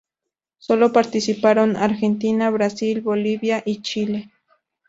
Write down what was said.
Solo participaron Argentina, Brasil, Bolivia y Chile.